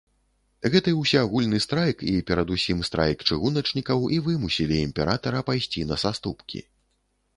Гэты ўсеагульны страйк і, перадусім, страйк чыгуначнікаў, і вымусілі імператара пайсці на саступкі.